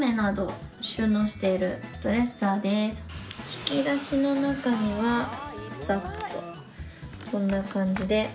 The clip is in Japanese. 引き出しの中にはざっとこんな感じで。